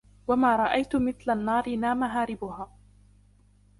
وَمَا رَأَيْت مِثْلَ النَّارِ نَامَ هَارِبُهَا